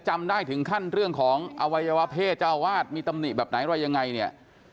จำได้ถึงขั้นเรื่องของอวัยวะเพศเจ้าอาวาสมีตำหนิแบบไหนอะไรยังไงเนี่ย